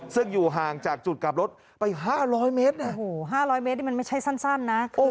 ซึ่งอยู่ห่างจากจุดกลับรถไป๕๐๐เมตร๕๐๐เมตรนี่มันไม่ใช่สั้นนะ